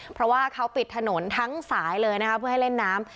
เพราะว่าเขาปิดถนนทั้งสายเลยนะคะเพื่อให้เล่นน้ำ